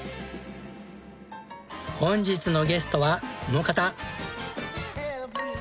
本日のゲストはこの方。